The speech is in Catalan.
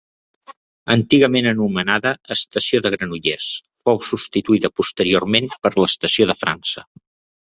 Antigament anomenada estació de Granollers, fou substituïda posteriorment per l'Estació de França.